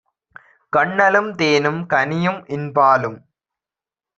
கன்னலும் தேனும் கனியும் இன் பாலும்